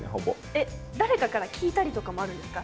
えっ誰かから聞いたりとかもあるんですか？